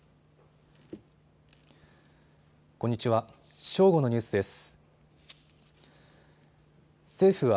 こんにちは。